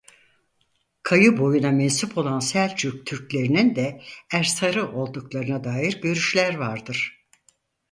Kayı boyuna mensup olan Selçuk Türklerinin de Ersarı olduklarına dair görüşler vardır.